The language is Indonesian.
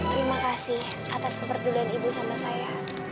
terima kasih atas keperdulian ibu sama saya